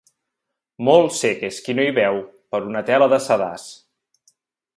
Molt cec és qui no hi veu per una tela de sedàs.